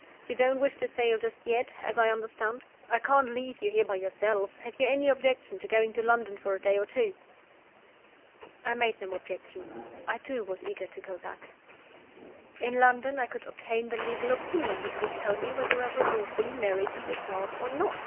You don't wish to sail just yet, as I understand? I can't leave you here by yourself. Have you any objection to going to London for a day or two?" I made no objection. I too was eager to go back. In London I could obtain the legal opinion which would tell me whether I were lawfully married to Eustace or not.